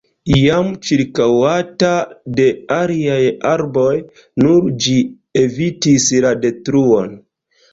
Iam ĉirkaŭata de aliaj arboj, nur ĝi evitis la detruon.